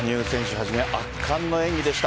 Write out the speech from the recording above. はじめ圧巻の演技でした。